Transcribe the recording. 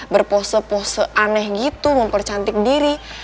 berpose pose aneh gitu mempercantik diri